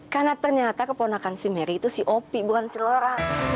karena ternyata keponakan si merry itu si opi bukan si laura